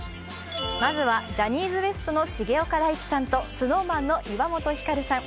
まずは、ジャニーズＷＥＳＴの重岡大毅さんとＳｎｏｗＭａｎ・岩本照さん。